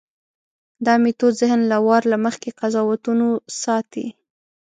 دا میتود ذهن له وار له مخکې قضاوتونو ساتي.